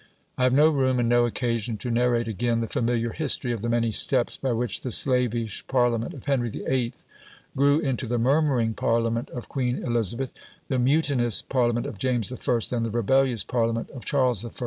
I have no room and no occasion to narrate again the familiar history of the many steps by which the slavish Parliament of Henry VIII. grew into the murmuring Parliament of Queen Elizabeth, the mutinous Parliament of James I., and the rebellious Parliament of Charles I.